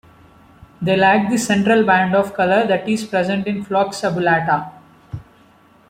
They lack the central band of color that is present in Phlox subulata.